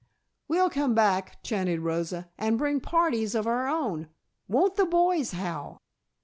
"We'll come back," chanted Rosa, "and bring parties of our own. Won't the boys howl?"